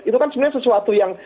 itu kan sebenarnya sesuatu yang